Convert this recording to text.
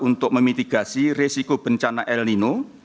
untuk memitigasi resiko bencana el nino